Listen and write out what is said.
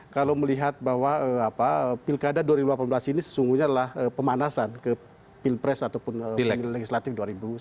kalau melihat bahwa pilkada dua ribu delapan belas ini sesungguhnya adalah pemanasan ke pilpres ataupun legislatif dua ribu sembilan belas